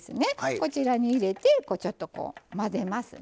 こちらに入れてちょっとこう混ぜますね。